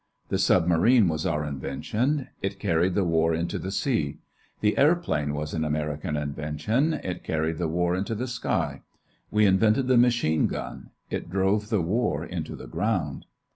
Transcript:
The submarine was our invention; it carried the war into the sea. The airplane was an American invention; it carried the war into the sky. We invented the machine gun; it drove the war into the ground.